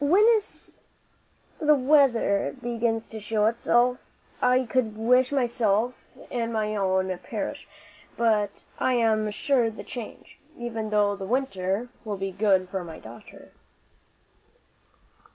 When this weather begins to show itself I could wish myself in my own parish; but I am sure the change, even through the winter, will be good for my daughter."